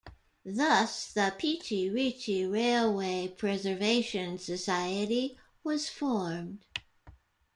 Thus the Pichi Richi Railway Preservation Society was formed.